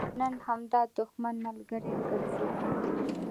نن همدا دښمن ملګری ګرځېدلی.